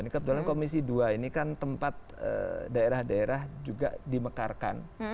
kebetulan komisi dua ini kan tempat daerah daerah juga dimekarkan